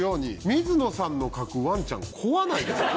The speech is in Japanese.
水野さんの描くワンちゃん怖ないですか。